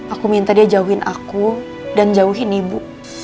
aku minta dia jauhin aku dan jauhin ibu